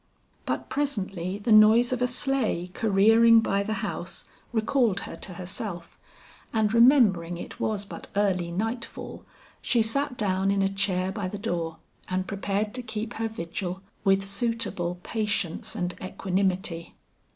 But presently the noise of a sleigh careering by the house recalled her to herself, and remembering it was but early night fall, she sat down in a chair by the door, and prepared to keep her vigil with suitable patience and equanimity.